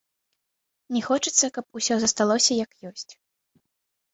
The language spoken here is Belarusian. Не хочацца, каб усё засталося, як ёсць.